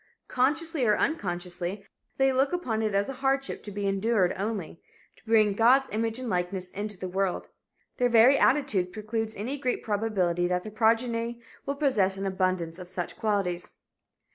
Consciously or unconsciously, they look upon it as a hardship, to be endured only, to bring "God's image and likeness" into the world. Their very attitude precludes any great probability that their progeny will possess an abundance of such qualities.